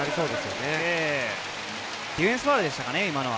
今のはディフェンスファウルでしたかね。